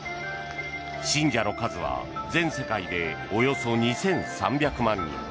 信者の数は全世界でおよそ２３００万人。